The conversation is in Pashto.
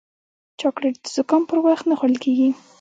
چاکلېټ د زکام پر وخت نه خوړل کېږي.